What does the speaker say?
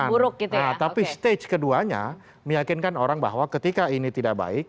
nah tapi stage keduanya meyakinkan orang bahwa ketika ini tidak baik